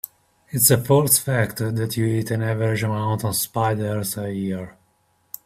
It's a false fact that you eat an average amount of spiders a year.